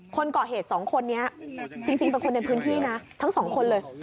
คนก่อเหตุสองคนนี้จริงเป็นคนในพื้นที่นะทั้งสองคนเลย